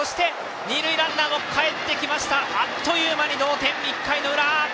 二塁ランナーもかえってあっという間に同点、１回の裏。